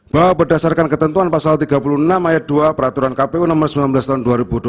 bahwa berdasarkan ketentuan pasal tiga puluh enam ayat dua peraturan kpu nomor sembilan belas tahun dua ribu dua puluh